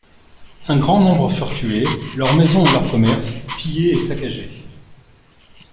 Un grand nombre furent tués, leurs maisons et leurs commerces pillés et saccagés.